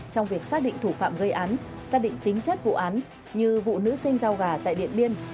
trong việc xác định thủ phạm gây án xác định tính chất vụ án như vụ nữ sinh giao gà tại điện biên